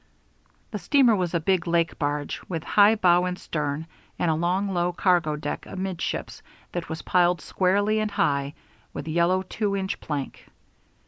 The steamer was a big lake barge, with high bow and stern, and a long, low, cargo deck amidships that was piled squarely and high with yellow two inch plank.